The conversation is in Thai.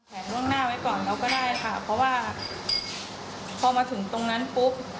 ล่วงหน้าไว้ก่อนแล้วก็ได้ค่ะเพราะว่าพอมาถึงตรงนั้นปุ๊บ